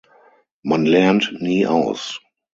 Man lernt nie aus!